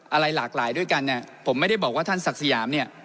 อะไรหลากหลายด้วยกันเนี่ยผมไม่ได้บอกว่าท่านศักดิ์สยามเนี่ย